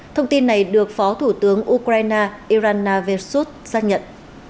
thông tin này được phó thủ tướng ukraine irana vershut xác nhận